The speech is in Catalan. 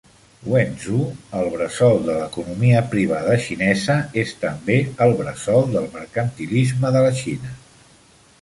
Wenzhou, el bressol de l'economia privada xinesa, és també el bressol del mercantilisme de la Xina.